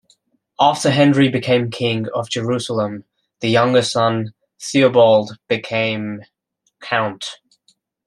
After Henry became king of Jerusalem, the younger son Theobald became count.